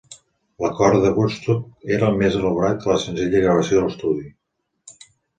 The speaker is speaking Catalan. L'acord de Woodstock era més elaborat que la senzilla gravació a l'estudi.